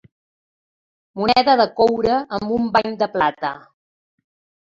Moneda de coure amb un bany de plata.